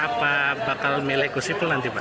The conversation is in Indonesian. apa bakal milih gus ipul nanti pak